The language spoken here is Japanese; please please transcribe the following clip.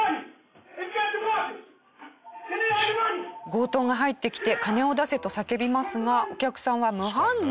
強盗が入ってきて「金を出せ」と叫びますがお客さんは無反応。